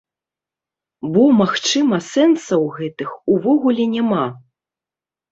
Бо, магчыма, сэнсаў гэтых увогуле няма.